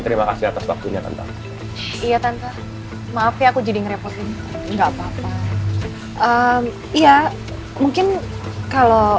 terima kasih atas waktunya tentang iya tante maaf ya aku jadi ngerepotin enggak papa iya mungkin kalau